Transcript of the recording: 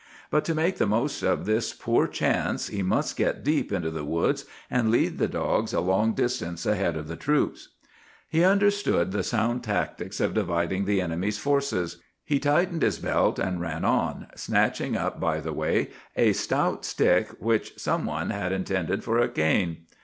"But to make the most of this poor chance he must get deep into the woods, and lead the dogs a long distance ahead of the troops. "He understood the sound tactics of dividing the enemy's forces. He tightened his belt and ran on, snatching up by the way a stout stick which some one had intended for a cane.